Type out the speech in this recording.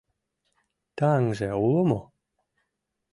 — Таҥже уло мо?